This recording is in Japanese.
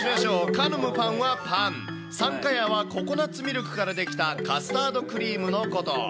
カノムパンはパン、サンカヤーはココナツミルクから出来たカスタードクリームのこと。